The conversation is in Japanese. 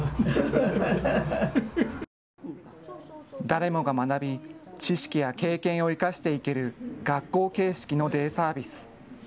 誰もが学び知識や経験を生かしていける学校形式のデイサービス。